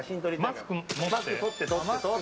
マスクとって。